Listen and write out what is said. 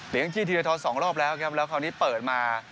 เลี้ยงที่ธีรธร๒รอบแล้วครับแล้วคราวนี้เปิดมา